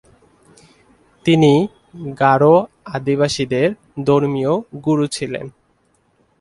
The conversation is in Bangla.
তিনি গারো আদিবাসীদের ধর্মীয় গুরু ছিলেন।